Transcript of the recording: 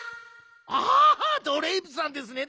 「ああドレープさんですね